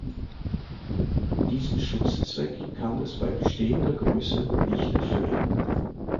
Diesen Schutzzweck kann es bei bestehender Größe nicht erfüllen.